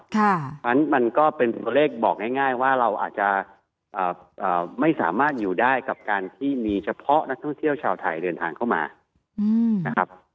เพราะฉะนั้นมันก็เป็นตัวเลขบอกง่ายว่าเราอาจจะไม่สามารถอยู่ได้กับการที่มีเฉพาะนักท่องเที่ยวชาวไทยเดินทางเข้ามานะครับ